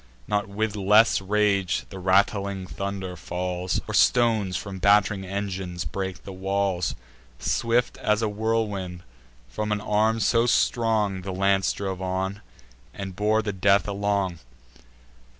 Not with less rage the rattling thunder falls, Or stones from batt'ring engines break the walls: Swift as a whirlwind, from an arm so strong, The lance drove on, and bore the death along.